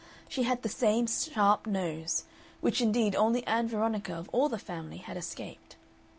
She had the same sharp nose which, indeed, only Ann Veronica, of all the family, had escaped.